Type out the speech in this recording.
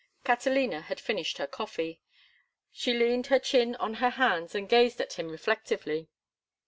Catalina had finished her coffee. She leaned her chin on her hands and gazed at him reflectively.